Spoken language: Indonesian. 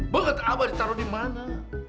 banget abah ditaruh di mana